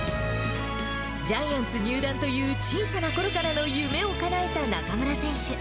ジャイアンツ入団という小さなころからの夢をかなえた中村選手。